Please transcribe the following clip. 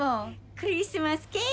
クリスマスケーキや！